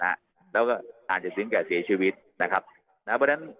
แล้วก็อาจจะถึงแก่เสียชีวิตนะครับนะเพราะฉะนั้น